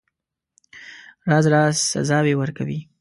راز راز سزاوي ورکوي.